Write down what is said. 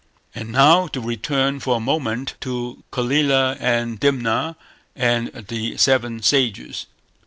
And now to return for a moment to Calila and Dimna and The Seven Sages.